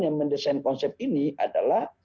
yang mendesain konsep ini adalah